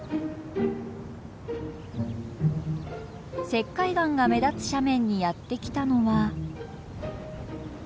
石灰岩が目立つ斜面にやって来たのは。